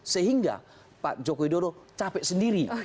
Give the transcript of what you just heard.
sehingga pak joko widodo capek sendiri